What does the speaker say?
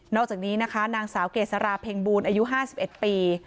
นอกจากนี้นะคะนางสาวเกษราเพ็งบูลอายุห้าสิบเอ็ดปี